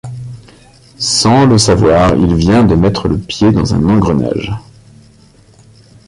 Sans le savoir, il vient de mettre le pied dans un engrenage.